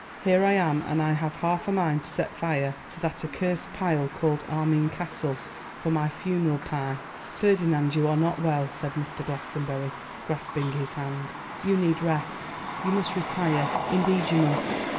Here I am, and I have half a mind to set fire to that accursed pile called Armine Castle for my funeral pyre.' 'Ferdinand, you are not well,' said Mr. Glastonbury, grasping his hand. 'You need rest. You must retire; indeed you must.